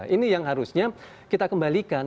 ini yang harusnya kita kembalikan